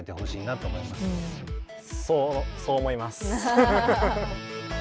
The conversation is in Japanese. そうそう思います。